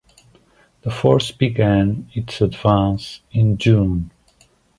The force began its advance in June.